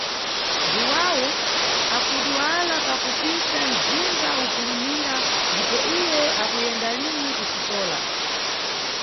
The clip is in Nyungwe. Jhuwawu akudwala pakupita nʼdzinga upulumira ndipo iye akuyenda lini kuxikola.